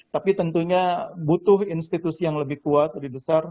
tapi tentunya butuh institusi yang lebih kuat lebih besar